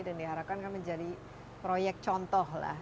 dan diharapkan kan menjadi proyek contoh lah